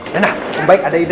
rena om baik ada ide